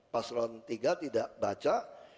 pasron tiga tidak baca